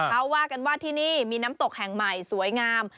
เขาว่ากันว่าที่นี่มีน้ำตกแห่งใหม่สวยงาม